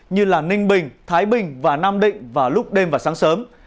như ninh bình thái bình và nam định vào lúc đêm và sáng sớm